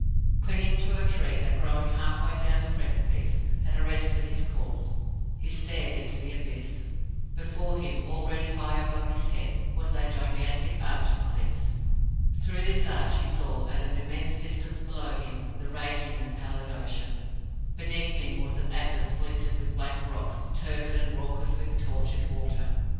Clinging to a tree that, growing half way down the precipice, had arrested his course, he stared into the abyss. Before him already high above his head was a gigantic arch of cliff. Through this arch he saw, at an immense distance below him, the raging and pallid ocean. Beneath him was an abyss splintered with black rocks, turbid and raucous with tortured water.